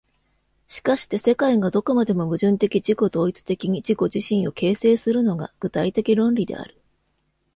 しかして世界がどこまでも矛盾的自己同一的に自己自身を形成するのが、具体的論理である。